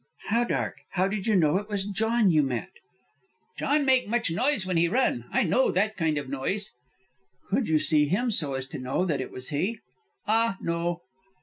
"How dark? How did you know it was John you met?" "John make much noise when he run. I know that kind of noise." "Could you see him so as to know that it was he?" "Ah, no."